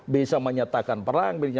bisa menyatakan perang